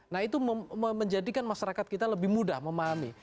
nah itu menjadikan masyarakat kita lebih mudah memahami